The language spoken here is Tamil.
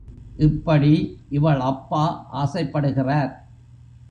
இப்படி இவள் அப்பா ஆசைப்படுகிறார்.